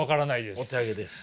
お手上げです。